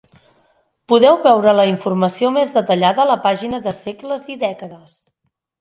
Podeu veure la informació més detallada a la pàgina de segles i dècades.